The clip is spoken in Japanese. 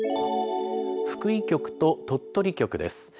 福井局と鳥取局です。